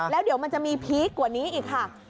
แล้วเดี๋ยวมันจะมีพีคกว่านี้อีกค่ะ